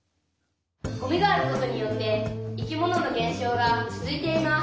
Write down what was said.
「ゴミがあることによって生き物の減少が続いています」。